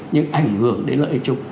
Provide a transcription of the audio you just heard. nhưng ảnh hưởng đến lợi ích trục